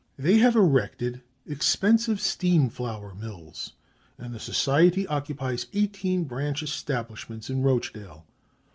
They have erected expensive steam flour mills, and the society occupies eighteen branch establishments in Rochdale.